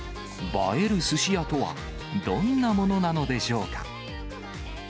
映えるすし屋とは、どんなものなのでしょうか。